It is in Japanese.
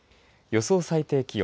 予想最低気温。